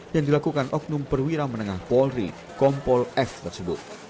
yang dilakukan oknum perwira menengah polri kompol f tersebut